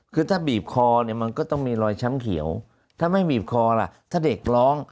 คือถ้าบีบคอเนี่ยมันก็ต้องมีรอยช้ำเขียวถ้าไม่บีบคอล่ะถ้าเด็กร้อง